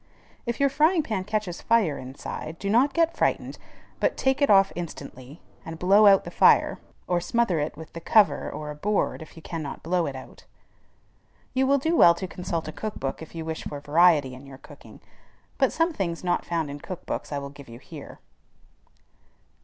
If your frying pan catches fire inside, do not get frightened, but take it off instantly, and blow out the fire, or smother it with the cover or a board if you cannot blow it out. You will do well to consult a cook book if you wish for variety in your cooking; but some things not found in cook books I will give you here.